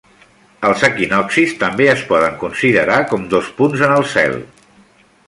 Els equinoccis també es poden considerar com dos punts en el cel.